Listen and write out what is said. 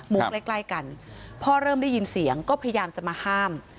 ใกล้ใกล้กันพ่อเริ่มได้ยินเสียงก็พยายามจะมาห้าม